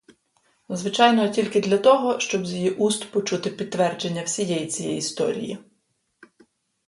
Звичайно, тільки для того, щоб з її уст почути підтвердження всієї цієї історії.